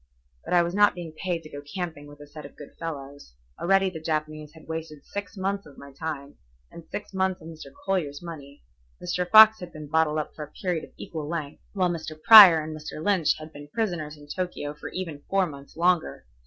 But I was not being paid to go camping with a set of good fellows. Already the Japanese had wasted six months of my time and six months of Mr. Collier's money, Mr. Fox had been bottled up for a period of equal length, while Mr. Prior and Mr. Lynch had been prisoners in Tokio for even four months longer.